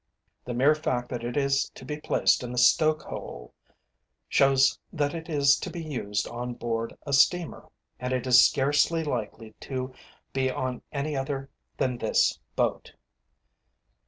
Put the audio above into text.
The mere fact that it is to be placed in the stoke hole, shows that it is to be used on board a steamer, and it is scarcely likely to be on any other than this boat.